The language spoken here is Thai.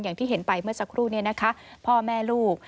อย่างที่เห็นไปเมื่อสักครู่นี้นะคะพ่อแม่ลูก